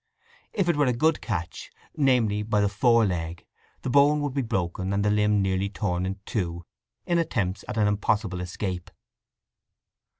If it were a "good catch," namely, by the fore leg, the bone would be broken and the limb nearly torn in two in attempts at an impossible escape.